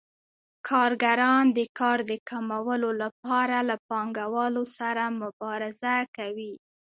کارګران د کار د کمولو لپاره له پانګوالو سره مبارزه کوي